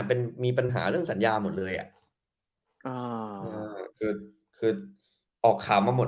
เป็นมีปัญหาเรื่องสัญญาหมดเลยอ่ะอ่าคือคือออกข่าวมาหมด